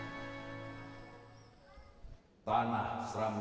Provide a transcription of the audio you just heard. tanah serambingkah nyeri kami